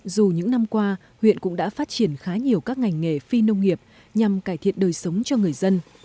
dù những năm qua huyện cũng đã phát triển khá nhiều các ngành nghề phi nông nghiệp nhằm cải thiện đời sống cho người dân